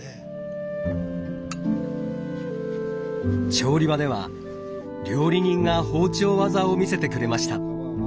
調理場では料理人が包丁技を見せてくれました。